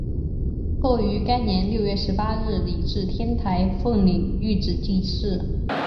后于该年六月十八日礼置天台奉领玉旨济世。